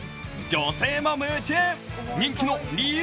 女性も夢中。